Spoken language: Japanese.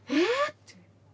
って。